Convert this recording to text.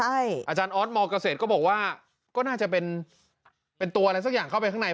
อาจารย์ออสมเกษตรก็บอกว่าก็น่าจะเป็นตัวอะไรสักอย่างเข้าไปข้างใน